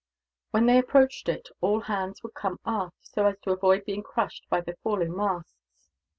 When they approached it, all hands would come aft, so as to avoid being crushed by the falling masts.